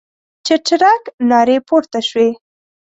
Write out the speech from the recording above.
چرچرک نارې پورته شوې.